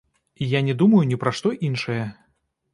І я не думаю ні пра што іншае.